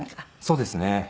そうですね。